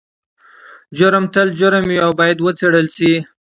جرم تل جرم وي او باید وڅیړل شي.